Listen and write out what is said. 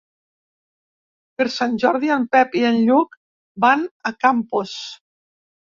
Per Sant Jordi en Pep i en Lluc van a Campos.